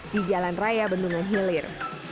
di jalan raya bendungan hilir